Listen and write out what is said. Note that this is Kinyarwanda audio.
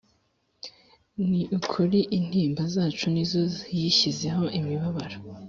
Ni ukuri intimba zacu ni zo yishyizeho imibabaro